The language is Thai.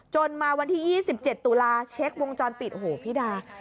จนมาวันที่ยี่สิบเจ็ดตุลาเช็ควงจรปิดโอ้โหพี่ดา